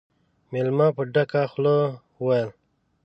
مېلمه په ډکه خوله وويل: